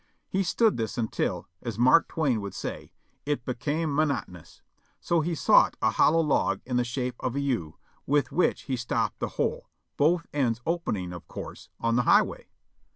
He stood this until, as Mark Twain would say, *it became mo notonous ;' so he sought a hollow log in the shape of a 'U,' with which he stopped the hole, both ends opening, of course, on the highway.